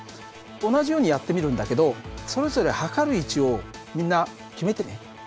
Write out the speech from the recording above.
同じようにやってみるんだけどそれぞれ計る位置をみんな決めてね。